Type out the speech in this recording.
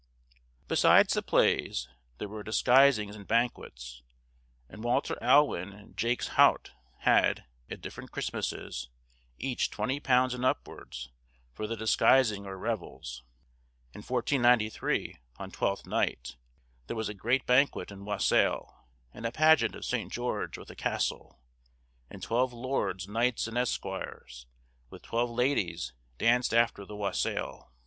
Besides the plays, there were disguisings and banquets; and Walter Alwyn and Jakes Haute had, at different Christmasses, each £20 and upwards, for the disguisings or revels. In 1493, on Twelfth Night, there was a great banquet and wassail, and a pageant of Saint George with a castle; and twelve lords, knights, and esquires, with twelve ladies, danced after the wassail.